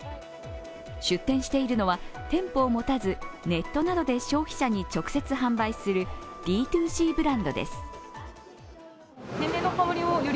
出店しているのは店舗を持たずネットなどで消費者に直接販売するＤ２Ｃブランドです。